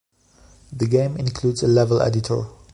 The game includes a level editor.